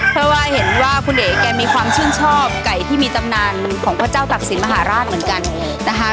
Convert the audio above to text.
เพราะว่าเห็นว่าคุณเอ๋แกมีความชื่นชอบไก่ที่มีตำนานของพระเจ้าตักศิลปมหาราชเหมือนกันนะคะ